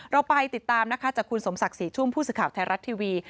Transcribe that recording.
เราไปติดตามนะคะจากคุณสมศักดิ์ศรีชุ่มผู้สื่อข่าวไทยรัฐทีวี